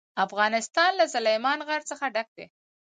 افغانستان له سلیمان غر څخه ډک دی.